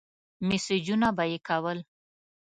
مسېجونه به يې کول.